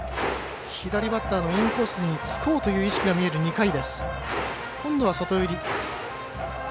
左バッターのインコースをつこうという意識が見える２回です。